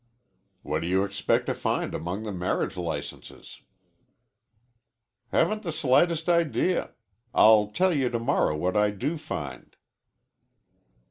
"What do you expect to find among the marriage licenses?" "Haven't the slightest idea. I'll tell you tomorrow what I do find."